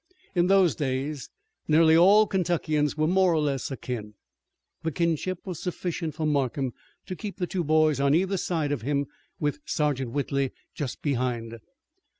In those days nearly all Kentuckians were more or less akin. The kinship was sufficient for Markham to keep the two boys on either side of him with Sergeant Whitley just behind.